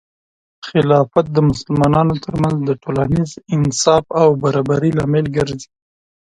خلافت د مسلمانانو ترمنځ د ټولنیز انصاف او برابري لامل ګرځي.